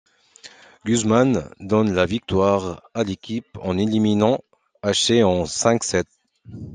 Guzmán donne la victoire à l'équipe en éliminant Ashe en cinq sets.